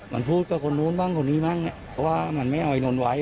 มันพูดกับคนนู้นบ้างคนนี้บ้างเพราะว่ามันไม่เอาไอ้นนท์ไว้